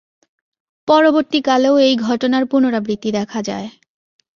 পরবর্তী কালেও এই ঘটনার পুনরাবৃত্তি দেখা যায়।